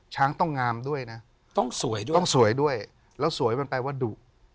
ช้างต้องงามด้วยนะต้องสวยด้วยต้องสวยด้วยแล้วสวยมันแปลว่าดุ